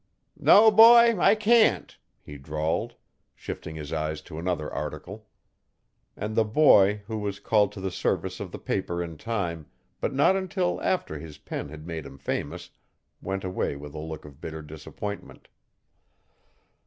'No, boy, I can't,' he drawled, shifting his eyes to another article. And the boy, who was called to the service of the paper in time, but not until after his pen had made him famous, went away with a look of bitter disappointment.